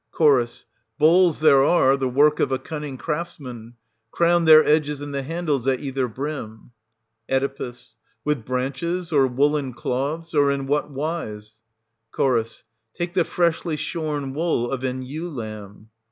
Ch. Bowls there are, the work of a cunning crafts man : crown their edges and the handles at either brim. Oe. With branches, or woollen cloths, or in what wise } Ch. Take the freshly shorn wool of an ewe lamb.